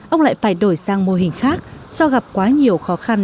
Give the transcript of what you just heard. ông lại phải đổi sang mô hình khác do gặp quá nhiều khó khăn